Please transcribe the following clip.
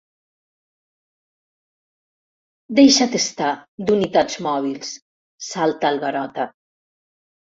Deixa't estar, d'unitats mòbils —salta el Garota—.